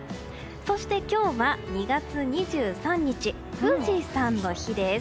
そして今日は２月２３日富士山の日です。